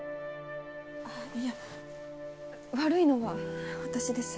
あっいや悪いのは私です。